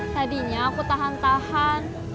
tadinya aku tahan tahan